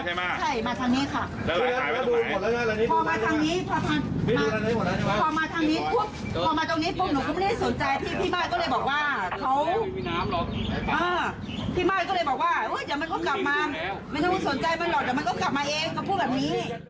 ไม่น่าว่าสนใจมันหรอกเดี๋ยวมันก็กลับมาเองเขาพูดแบบนี้